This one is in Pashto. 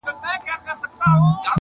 چي قاتل په غره کي ونیسي له غاره-